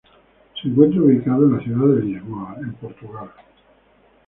Se encuentra ubicado en la ciudad de Lisboa, en Portugal.